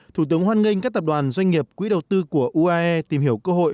thủ tướng hoan nghênh các tập đoàn doanh nghiệp quỹ đầu tư của uae tìm hiểu cơ hội